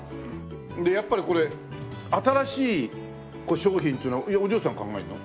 やっぱりこれ新しい商品っていうのはお嬢ちゃん考えるの？